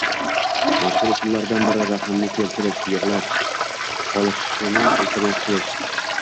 Mashhur usullardan biri – rahmni keltirish: yig‘lash, qolishini iltimos qilish.